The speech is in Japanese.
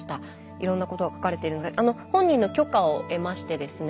いろんなことが書かれてるんですが本人の許可を得ましてですね